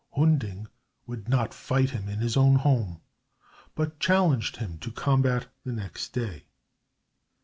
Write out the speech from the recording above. Hunding would not fight him in his own home, but challenged him to combat the next day.